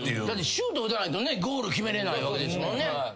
だってシュート打たないとねゴール決めれないわけですもんね。